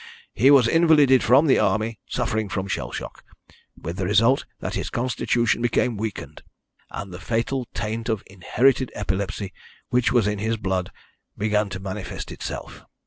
He was invalided from the Army suffering from shell shock, with the result that his constitution became weakened, and the fatal taint of inherited epilepsy, which was in his blood, began to manifest itself.